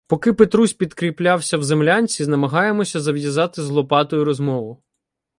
Поки Петрусь підкріплявся в землянці, намагаємося зав'язати з Лопатою розмову.